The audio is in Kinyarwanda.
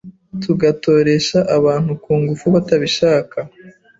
tugatoresha abantu kungufu batabishaka